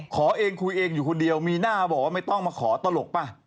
ขอเองคุยเองอยู่คนเดียวมีหน้าบอกว่าไม่ต้องมาขอตลกป่ะ